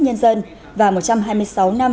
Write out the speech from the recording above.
nhân dân và một trăm hai mươi sáu năm